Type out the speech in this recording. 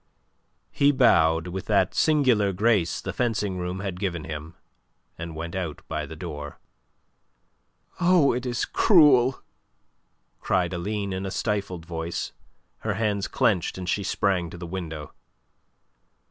He bowed with that singular grace the fencing room had given him and went out by the door. "Oh, it is cruel!" cried Aline, in a stifled voice, her hands clenched, and she sprang to the window.